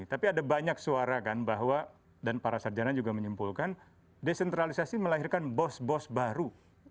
tapi ada banyak suara kan bahwa dan para sarjana juga menyimpulkan desentralisasi melahirkan bos bos baru